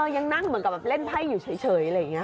ยังนั่งเหมือนกับเล่นไพ่อยู่เฉย